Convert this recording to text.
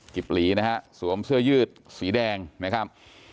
หลีนะฮะสวมเสื้อยืดสีแดงนะครับ